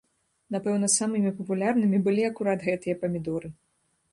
Напэўна, самымі папулярнымі былі акурат гэтыя памідоры.